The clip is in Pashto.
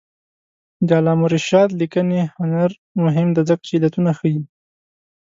د علامه رشاد لیکنی هنر مهم دی ځکه چې علتونه ښيي.